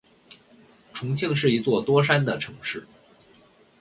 重庆是一座多山的城市。